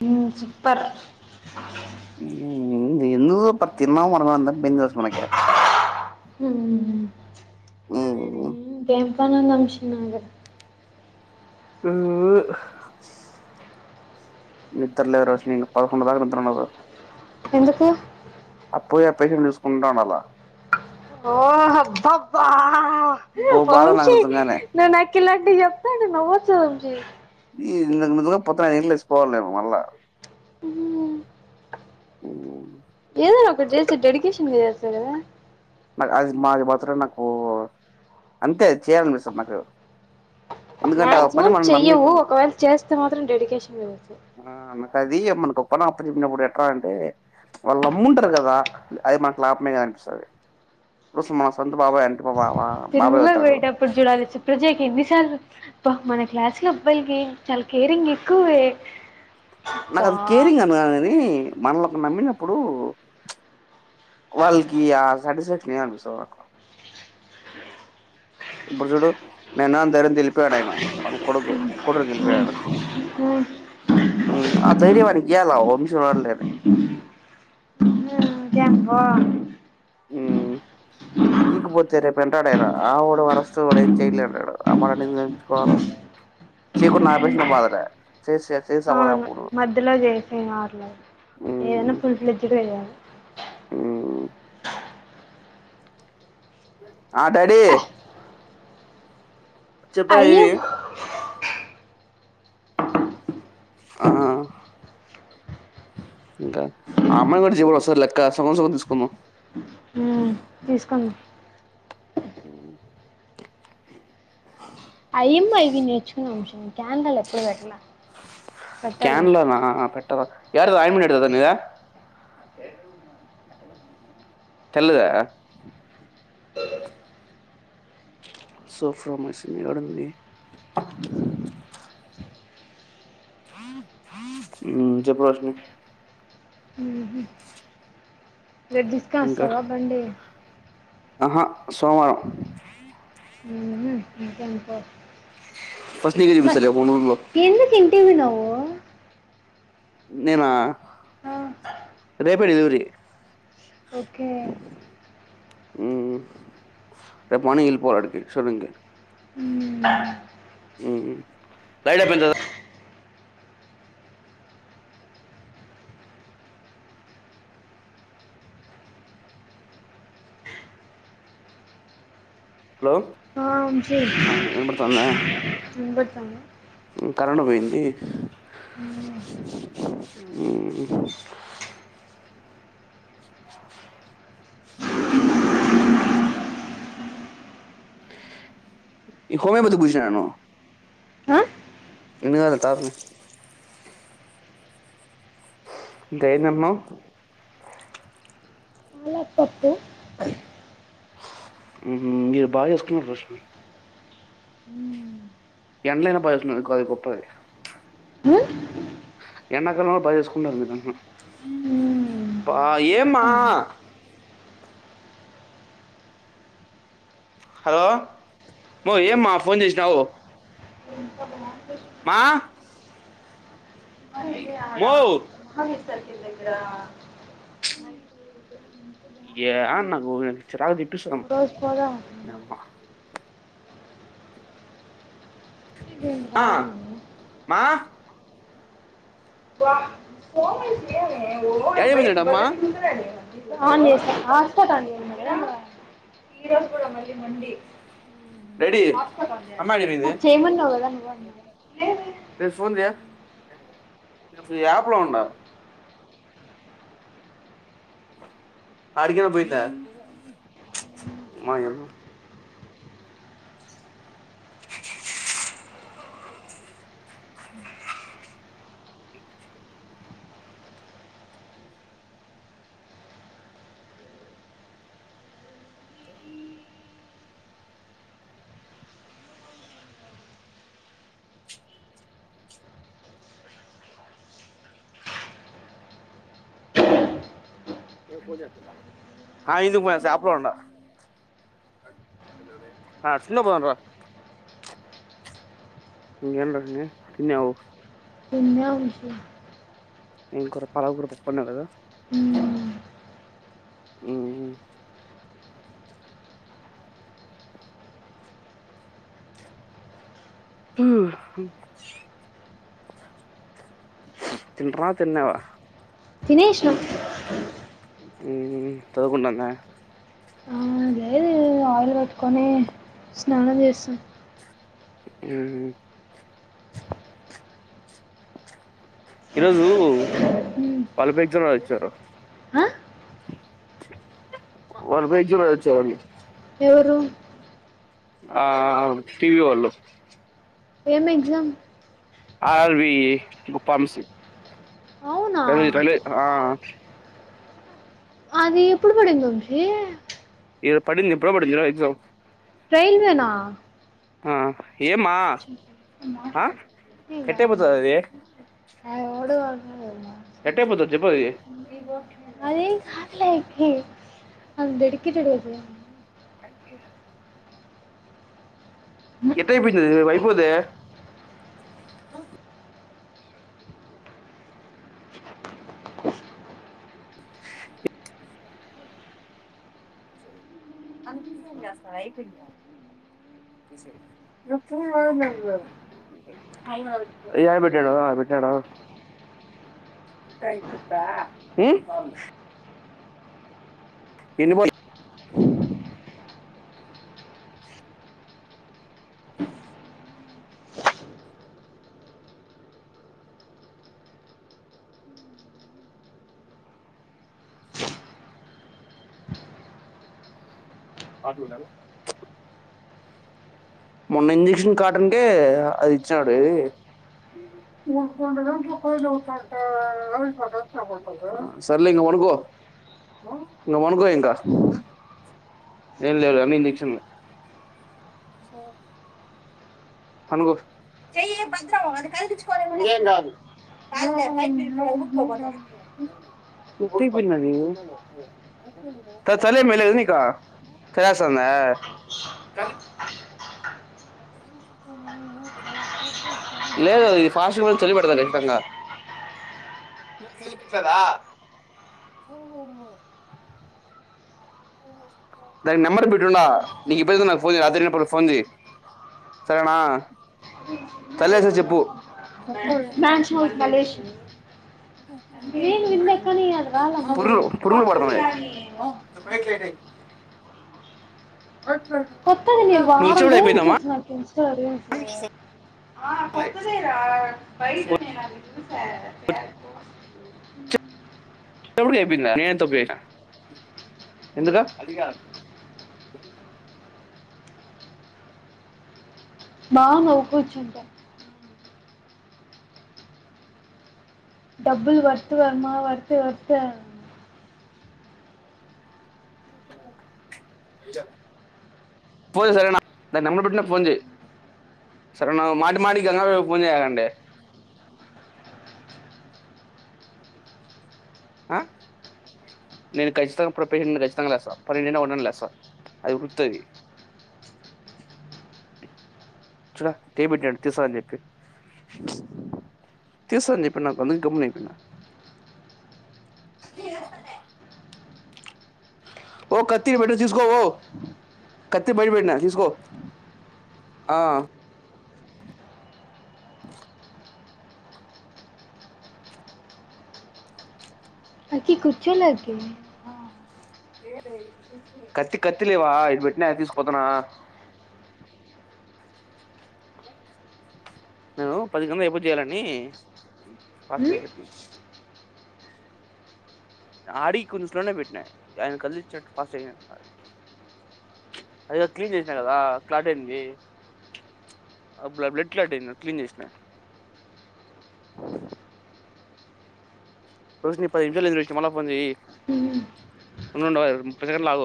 హ్మ్ సూపర్ ప తిన్నా వ మన దాంట్ల బిందాస్ మన కా హ్మ్ నానేం కేం ప న వంశీ నగర్ ఊ ఊ నిద్ర లేదు రా అసలు ఇక పదకొండు దాక నిద్ర ఉండదు ఎందుకు అ పోయి ఆ పేసం చూసుకుంటండలా ఓ హబ్బాబ్బా ఆ బో బాధ నాకు వంశి నిజంగానే నే నాకు ఇలాంటి చెప్తాను టె నువ్వో సోమ్ జీ ఇందు [unintelligible] మళ్ళా ఉమ్ అవునవును ఏదైనా ఒకటి చేసి డెడికేషన్ చేస్ గదా నాకు అది మాది మాత్రం నాకు అంతే చేయాలనిపిస్తది నాకు ఎందుకంటే ఆ పని మాక్సిమం మనం నమ్మి చెయ్యవు ఇప్పుడు ఒకవేళ చేస్తే మాత్రం డెడికేషన్ గా సేచవు ఆ నాకు అది మనకు ఓ పని అప్పు చెప్పినప్పుడు ఎట్ట రా అంటే వాళ్ళు నామ్ముంటారు కదా అది మనకు లాపమే క అనిపిస్తుంది రసమా సొంత బాబా అన్ తిరుముల గి పోయిటప్పుడు చూడాలి సుప్రజ కి ఎన్ని సార్లు బ్బా మన క్లాస్ లో అబ్బాయిల కి చాలా కేరింగ్ ఎక్కువే నాకు అబ్బా. అది కేరింగ్ అను నేని మనలోకి నమ్మిిన ఇప్పుడు వాళ్ల్కి సటిస్ఫక్ స ఎప్పుడు చూడు నేన్న దర్ంద్ర గలిపోయాడుయినా వాళ్ళు కొడుకు కొడురు గెలిపోయాడు ఉమ్, ఆ ధైర్యవానికి గలా నిమిష అలనే చెంబ ఉ ఈకపోతే రేపు వెంటాడు ఆయన ఆ వాడు వరస్ వాడు ఏం చేయలే అంటాడు ఆమడన్నిుకోవాల చేయకుండా నాపేసిన బాధలే చేసి చేా అవును మధ్యలో చేసే ఆట్లా ఏదైనా ఫుల్ ఫ్్రిడ్జ్ గా వయాలి ఆ ఆ డాడీ చెప్పా అయ్యో ఏమి ఆ ఇంకా అమ్మయి కూడాడి జీవడు వస్తారు లెక్క సుగం సుగం తీసుకుంద తీసుకుం అఓ అయ్యమ్మా అవి నేర్చుకునే అంశం క్యాన్లు ఎప్పుడు పెట్టలా పెట్టాలి కన్లాల పెట్టదా యారుద అయమని ఎతుదాీదా తెల్దా సో ఫ్రమసి నిగడుంది చె ప్రశ్న రేపు తీసుకొని ఇంకా వస్తావా అబ్బండి ఆహా సోమవారం ఫస్ట్ నీకే మ చూపిస్తారు రేపు మూడు రోజుల్లో ఎందుం టీవీ న్ నేనా ఆ, రేపే లివరి ఓకే రేపు మనీల్ పోరాడికి సరక ఉ ైట్ అ పెదా హలో ఆ, వినపడుతుందా ీబతాము ఏ ఇ హమే బధు గుూసనను ఆ? ఇందు కాాల తారును దే నమ్మ పప్పు మీరు బాగా చేసుకున్నారు ప్రృశన మ్మ్. ఎలనా బ అది కొప్పది హ ఎన్నాడాకాలంలో బాగా చేసుకున్నారుారు మీరు మ్మ్. బా ఏమ్మా వేసుకుందాం హలో మ ఏమ్మా ఫోన్ చేసినా మా ఎ మొ అ ఇ సార్కిదగరా ఏ ఆ నాకు చిరకుదేప్ కిష్తం ఒక రోజు పోదాం ఇదేంటి అ రావడం లేదు. మ ఫోన్ చేయాలి యడికివెనంట అమ్మ అన్ చేస్తా హాట్స్పాట్ చెయ్ మా బ్రో మళ్లీ మండి రెడీ హాట్స్పాట్ అన్ అమ్మా ఏమైంది చేయమనన చేయమనవ్ గా నువ్వే లేదే అసల్అప్ లో ఉండా అడిగనా పోయిద మాయ ఆ ఇదిగో షాప్ లో ఉండా అ చిన్నగా పోదాం రా ఇగేది అబ్బీ తినవు కన్యా వూష్ పోయ్ ఏం కూర పలావ్ కూర పప్పున్నావు కదా ఊ ఉమ్ ఉమ్ తిన్రా తిన్నవా వినేష్ణు హు హు చదువుకుండాన్న ఆయిలీ బేట్టుకొని స్నానం చేస్తా ఉహు ఈరోజు మ్మ్. వలభై ఎగ్జామ్ది వచ్చారు ఆ? వలభై ఎగ్జామ్ది వచ్చారుడి ఎవురు ఆ టీవీ ఓళ్ళు వేం ఎగ్జామ్ ఆవి కుప్పమ్స్ అవునా కవీ తండి ఆ అది ఎప్పుడు పడింది అమ్మి ఇ పడింది ఎప్పుడో పడింది ఎగ్జామ్ రైల్వేనా ఆ ఏమ్మా ఆ ఎట్ట మాట్లావ మా అయిపోతది అది ఆ ఓడు కొ ఎట్ట అయిపోతది చేపదీ అఖి నాక్ డెడికేటెడ్ అయ్పొ అఖి ఎట్టబోయితుది వైపోదు ట్టట్ట ఎన్ని ఆట్ మలనా మొన్న ఇంజక్షన్ కాటనికె అది ఇచ్చినాడు ఎది సర్లే ఇక వనుకో ఇంకా వనుకో ఇంక ఏం లేదు కదా ఇంక్షన్ ఓ ను చ మ చస లేదు ఇది ఫార్న్ చలిపడతుంది చ్చితంగాా అ దానికి నెంబర్ పెట్టిటుండా నీకు ఇబ్బంది అయితే నాకు ఫోన్ చేయ్ రాత్రిప్పకి ఫోన్ చేయి సరేనా తలనొస్తే సార్ చెప్పు మన్ చూ కలేష మను వింద కనీ అది వాళ ముయరు బయట లైట్ ఇయ్యి కొత్తది నేను నువ్వు వారం వచ్చేప్పుడు రోజుల నుంచి అయిపోయిందమ్మా చూస్తున్న ఇన్స్టా లో రీల్స్ కొత్తది ఏరా బయట నువ్వు నేను అనింది ఇ స తారు కో ఎవరు చెప్పింది నేను ఏం తప్పు చేసినా ఎందుకు బా నౌకుచ్చంత డబ్బుల్ వర్త్ వర్మ వర్త్ వర్త్ ఫోన్ సరేనా దాని నెంబర్ పెట్టీ నాకు ఫోన్ చేయ్ సరేనా మాటి మాటికింగ ఫోన్ చేయకండి ఆ నేను ఖచ్చితంగా ప్రొపేషను ఖచ్చితంగా లేస్త పన్నెండున్న ఉన్నాను లే సార్ అది వృత్తి బ తీస చెప్ప తీసా చెప్ప నా కొందు క అయిపో ఓ కత్తి బెట్ట చసుకో ఓ కత్తి బఠ బెఠనా తీసుకో ఆ అక కుచ్చో లేగే కత్తి కత్తి లేవా ఇది పెట్టినా తీసుకోతనా నేను పది గందలు ఎప్పుో చేయాలని పాజిటివ్ చె ఆడి కొంచెం స్లోనే పెట్టినాయి ఆయన కలిచ్చట్టు ఫాస్ట్ అయి అది క్లీన్ చేసినా కదా క్లాట్ అయింది బ్లడ్ క్లాట్ అయింది క్లీన్ చేసినయి రోషినిీ పది నిమిషాలు ఎి మళ్ళా పొంది ఉండ ప్రజకర లాగ